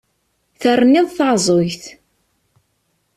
Terniḍ taεẓegt!